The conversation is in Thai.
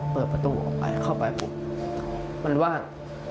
เปิดประตูออกไปเข้าไปปุ๊บมันวาด